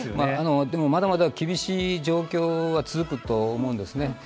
でも、まだまだ厳しい状況は続くと思うんですね。